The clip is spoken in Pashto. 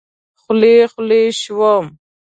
خولې خولې شوم.